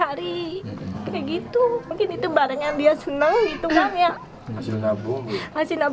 seorang anak berinisial b diduga depresi usai ponsel nya dengan kepentingan jualan dan medan resume untuk penggunaan obyek